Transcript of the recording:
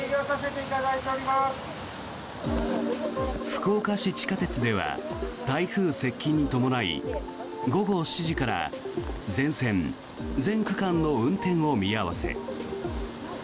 福岡市地下鉄では台風接近に伴い午後７時から全線全区間の運転を見合わせ。